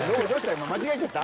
今間違えちゃった？